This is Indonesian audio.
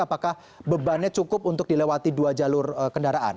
apakah bebannya cukup untuk dilewati dua jalur kendaraan